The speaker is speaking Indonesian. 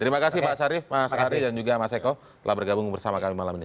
terima kasih pak sarif mas arief dan juga mas eko telah bergabung bersama kami malam ini